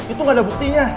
itu gak ada buktinya